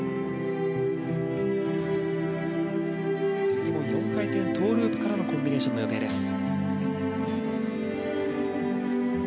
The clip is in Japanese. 次も４回転トウループからのコンビネーションの予定です。